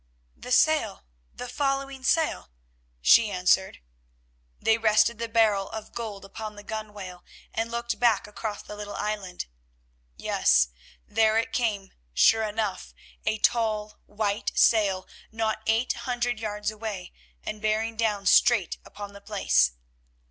"The sail, the following sail," she answered. They rested the barrel of gold upon the gunwale and looked back across the little island. Yes, there it came, sure enough, a tall, white sail not eight hundred yards away and bearing down straight upon the place.